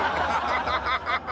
ハハハハ！